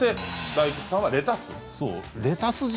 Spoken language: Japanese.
大吉さんはレタス。